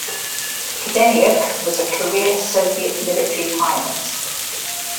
Kadeniuk was a career Soviet military pilot.